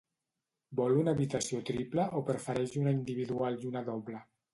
Vol una habitació triple o prefereix una individual i una doble?